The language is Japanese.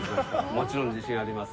もちろん自信あります。